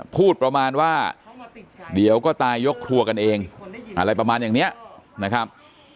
พูดประมาณว่าเดี๋ยวก็ตายยกครัวกันเองอะไรประมาณอย่างนี้นะครับ